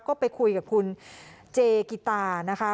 ก็ไปคุยกับคุณเจกิตานะคะ